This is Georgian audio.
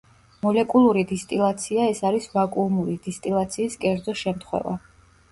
მოლეკულური დისტილაცია ეს არის ვაკუუმური დისტილაციის კერძო შემთხვევა.